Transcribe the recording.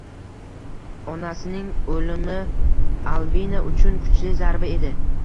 Onasining o'limi Albina uchun kuchli zarba edi